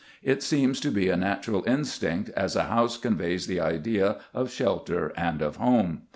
It seems to be a natural instinct, as a house conveys the idea of shelter and of home.